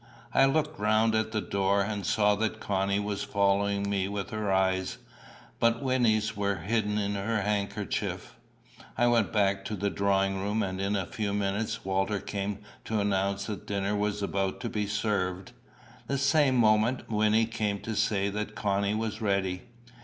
I looked round at the door, and saw that Connie was following me with her eyes, but Wynnie's were hidden in her handkerchief. I went back to the drawing room, and in a few minutes Walter came to announce that dinner was about to be served. The same moment Wynnie came to say that Connie was ready.